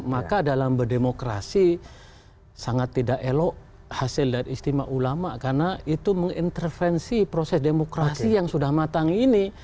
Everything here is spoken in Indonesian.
maka dalam berdemokrasi sangat tidak elok hasil dari istimewa ulama karena itu mengintervensi proses demokrasi yang sudah matang ini